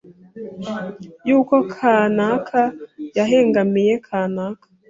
yuko kanaka yahengamiye kanaka.